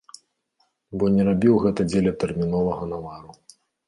Бо не рабіў гэта дзеля тэрміновага навару.